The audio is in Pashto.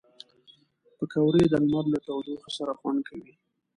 پکورې د لمر له تودوخې سره خوند کوي